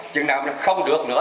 chừng nào không được nữa